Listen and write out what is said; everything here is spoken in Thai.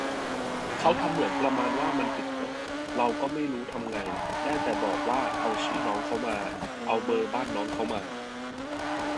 เขาทำเหมือนประมาณว่ามันผิดกฎ เราก็ไม่รู้ทำไง ได้แต่บอกว่าเอาชื่อน้องเค้ามา เอาเบอร์บ้านน้องเค้ามา